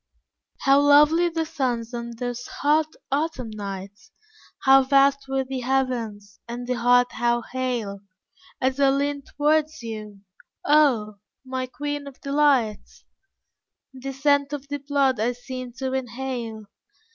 How lovely the suns on those hot, autumn nights! How vast were the heavens! and the heart how hale! As I leaned towards you oh, my Queen of Delights, The scent of thy blood I seemed to inhale.